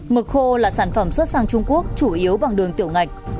mực khô là sản phẩm xuất sang trung quốc chủ yếu bằng đường tiểu ngạch